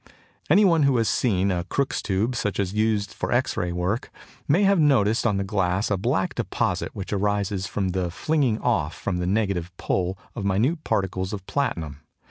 Any one who has seen a Crookes' tube such as is used for X ray work may have noticed on the glass a black deposit which arises from the flinging off from the negative pole of minute particles of platinum.